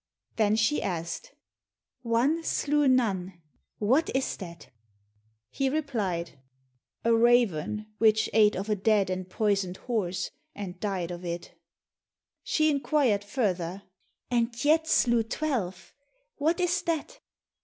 Then she asked, "One slew none, what is that?" He replied, "A raven, which ate of a dead and poisoned horse, and died of it." She inquired further, "And yet slew twelve, what is that?"